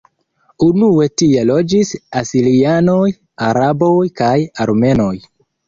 Unue tie loĝis asirianoj, araboj kaj armenoj.